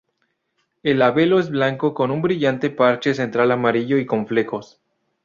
El labelo es blanco con un brillante parche central amarillo y con flecos.